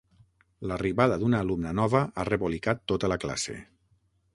L'arribada d'una alumna nova ha rebolicat tota la classe.